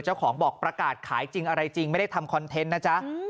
เจ้าของบอกประกาศขายจริงอะไรจริงไม่ได้ทำคอนเทนต์นะจ๊ะ